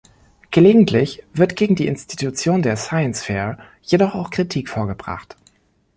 Gelegentlich wird gegen die Institution der "Science Fair" jedoch auch Kritik vorgebracht.